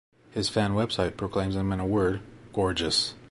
His fan website proclaims him in a word, gorgeous.